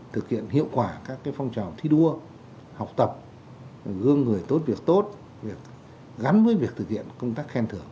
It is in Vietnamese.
thực hiện hiệu quả các phong trào thi đua học tập gương người tốt việc tốt gắn với việc thực hiện công tác khen thưởng